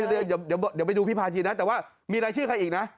เดี๋ยวไปดูพี่พาชีนะแต่ว่ามีรายชื่อใครอีกนะ